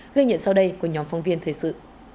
gây nhận sau đây của nhóm phong viên thời sự